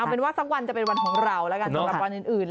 เป็นว่าสักวันจะเป็นวันของเราแล้วกันสำหรับวันอื่น